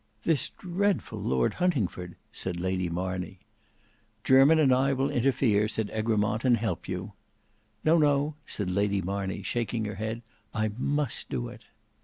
"This dreadful Lord Huntingford!" said Lady Marney. "Jermyn and I will intefere," said Egremont, "and help you." "No, no," said Lady Marney shaking her head, "I must do it."